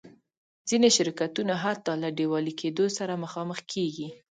ځینې شرکتونه حتی له ډیوالي کېدو سره مخامخېږي.